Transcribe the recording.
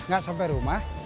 gak sampai rumah